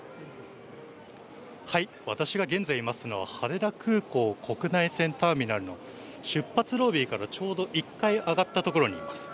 私が現在いますのは羽田空港国内線ターミナルの出発ロビーからちょうど１階上がったところにいます。